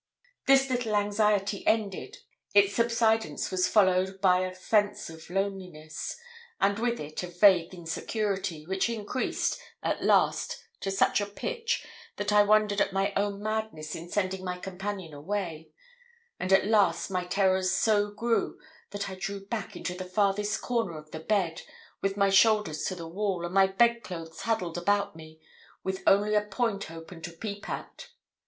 This little anxiety ended, its subsidence was followed by a sense of loneliness, and with it, of vague insecurity, which increased at last to such a pitch, that I wondered at my own madness in sending my companion away; and at last my terrors so grew, that I drew back into the farthest corner of the bed, with my shoulders to the wall, and my bed clothes huddled about me, with only a point open to peep at.